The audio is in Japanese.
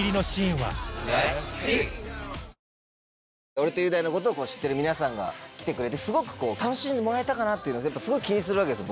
俺と雄大のことを知ってる皆さんが来てくれてすごく楽しんでもらえたかなっていうのをすごい気にするわけですよ